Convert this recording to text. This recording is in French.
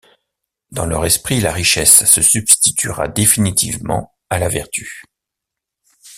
Dans leur esprit, la richesse se substituera définitivement à la vertu.